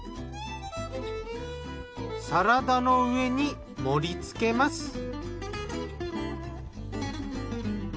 サラダの上に盛り付けます。